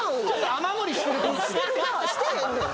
雨漏りしてるかも。